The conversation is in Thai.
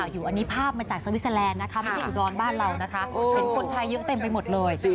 คุณผู้ชมกำลังนี้ดูน่าอยู่อันนี้